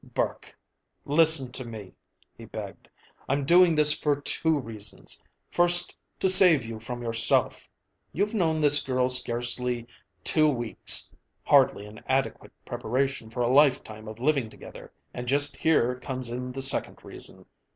"Burke, listen to me," he begged. "I'm doing this for two reasons. First, to save you from yourself. You've known this girl scarcely two weeks hardly an adequate preparation for a lifetime of living together. And just here comes in the second reason.